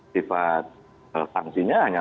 sifat sanksinya hanya